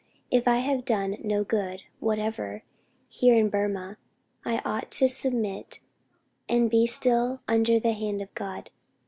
If I had done no good whatever here in Burmah, I ought to submit and be still under the hand of God